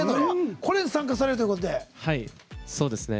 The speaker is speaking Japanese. これに参加されるということで。